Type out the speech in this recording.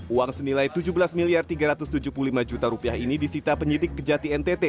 uang senilai rp tujuh belas tiga ratus tujuh puluh lima ini disita penyidik kejati ntt